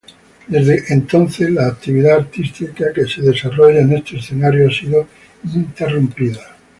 Desde entonces la actividad artística que se desarrolla en este escenario ha sido interrumpida.